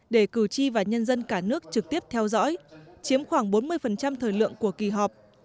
để cử tri và nhân dân cả nước trực tiếp theo dõi chiếm khoảng bốn mươi thời lượng của kỳ họp